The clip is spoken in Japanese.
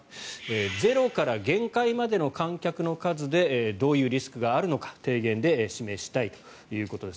ゼロから限界までの観客の数でどういうリスクがあるのか提言で示したいということです。